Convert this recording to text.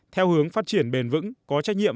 theo hướng phát triển bền vững có trách nhiệm